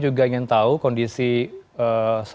jadi kita juga ingin tahu kondisi saudara saudara kita di sana